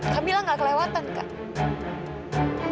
kak mila gak kelewatan kak